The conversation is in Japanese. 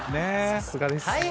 さすがです。